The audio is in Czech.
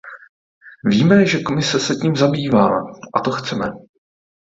Víme, že Komise se tím zabývá, a to chceme.